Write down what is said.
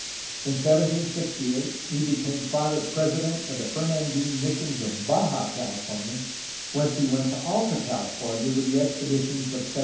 In 1768 he became Father President of the Femandine missions of Baja CaUfornia, whence he went to Alta California with the expeditions of 1769.